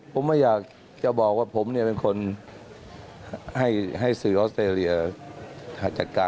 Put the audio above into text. ผมไม่อยากจะบอกว่าผมเนี้ยเป็นคนให้ให้ล่ะ